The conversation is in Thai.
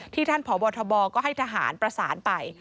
ที่ท่านผอวตบก็ให้ทหารประสานไป